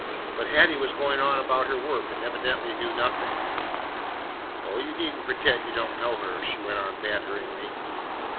But Hattie was going on about her work and evidently knew nothing. "Oh, you need n't pretend you don't know her," she went on banteringly.